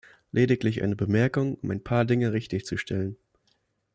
Lediglich eine Bemerkung, um ein paar Dinge richtig zu stellen.